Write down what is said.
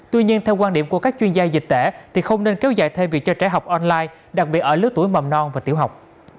tuy nhiên theo quan điểm của các chuyên gia dịch tễ thì không nên kéo dài thay vì cho trẻ học online đặc biệt ở lứa tuổi mầm non và tiểu học